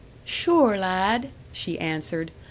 "Sure, lad," she answered.